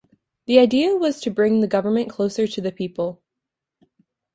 The idea was to bring the government closer to the people.